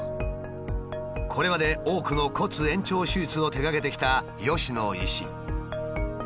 これまで多くの骨延長手術を手がけてきた吉野医師。